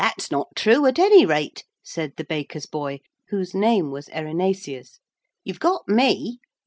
] 'That's not true, at any rate,' said the baker's boy, whose name was Erinaceus, 'you've got me.